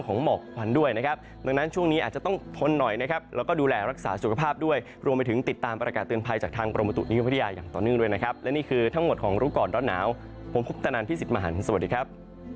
หมอกควันด้วยนะครับดังนั้นช่วงนี้อาจจะต้องทนหน่อยนะครับแล้วก็ดูแลรักษาสุขภาพด้วยรวมไปถึงติดตามประกาศเตือนภัยจากทางกรมบุตุนิยมพัทยาอย่างต่อเนื่องด้วยนะครับและนี่คือทั้งหมดของรู้ก่อนร้อนหนาวผมพุทธนันพี่สิทธิ์มหันฯสวัสดีครับ